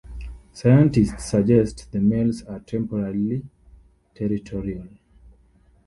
Scientists suggest the males are temporarily territorial.